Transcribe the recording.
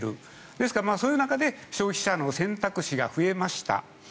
ですから、そういう中で消費者の選択肢が増えました。